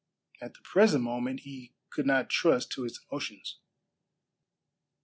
At the present moment he could not trust to his emotions.